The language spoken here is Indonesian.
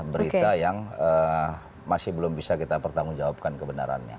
berita yang masih belum bisa kita pertanggung jawabkan kebenarannya